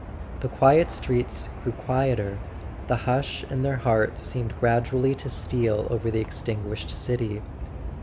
The quiet streets grew quieter, the hush in their hearts seemed gradually to steal over the extinguished city.